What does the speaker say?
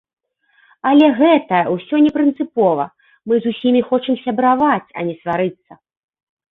Але гэта ўсё не прынцыпова, мы з усімі хочам сябраваць, а не сварыцца.